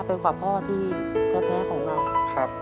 ไปกว่าพ่อที่แท้ของเรา